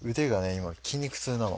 今筋肉痛なの。